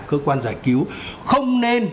cơ quan giải cứu không nên